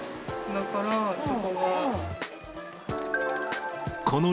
だから、そこは。